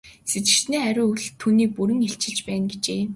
Сэжигтний хариу үйлдэл түүнийг бүрэн илчилж байна гэжээ.